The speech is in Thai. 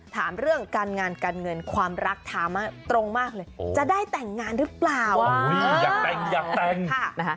ถามเรื่องการงานการเงินความรักถามมาตรงมากเลยจะได้แต่งงานหรือเปล่าอยากแต่งอยากแต่งค่ะนะฮะ